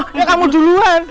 mah ya kamu duluan